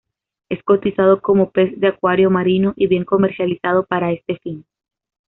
Es cotizado como pez de acuario marino y bien comercializado para este fin.